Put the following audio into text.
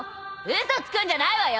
嘘つくんじゃないわよ！